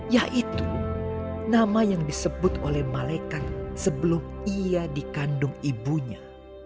yaitu nama yang disebut oleh malekan sebelum ia dikandung ibunya